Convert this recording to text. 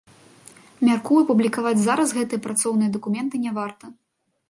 Мяркую, публікаваць зараз гэтыя працоўныя дакументы не варта.